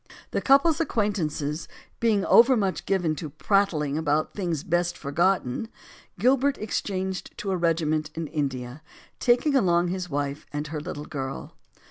The couple's acquaintances being overmuch given to prattling about things best forgotten, Gilbert ex changed to a regiment in India, taking along his wife and her little girl.